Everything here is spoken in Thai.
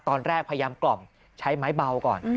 พยายามกล่อมใช้ไม้เบาก่อน